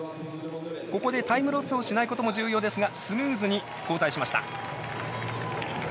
ここでタイムロスをしないことも重要ですがスムーズに交代しました。